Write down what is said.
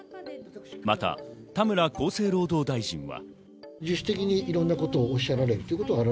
また、田村厚生労働大臣は。